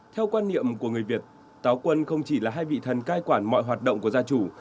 theo quan niệm của người việt táo quân không chỉ là hai vị thần cai quản mọi hoạt động của gia chủ